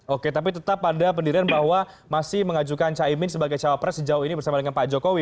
oke tapi tetap ada pendirian bahwa masih mengajukan caimin sebagai cawapres sejauh ini bersama dengan pak jokowi